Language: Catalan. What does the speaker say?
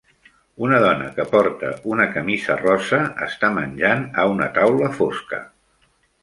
Una dona que porta una camisa rosa està menjant a una taula fosca.